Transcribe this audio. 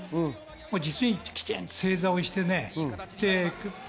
実にきちんと正座して。